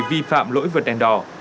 vi phạm lỗi vượt đèn đỏ